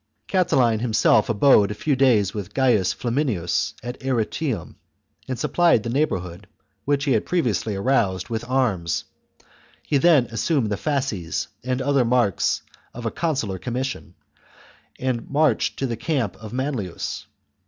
CHAP. Catiline himself abode a few days with Gains XXXVI. ^ Flaminius at Arretium, and supplied the neighbour hood, which he had previously aroused, with arms. He then assumed the fasces and other marks of a consular commission, and marched to the camp of Manlius.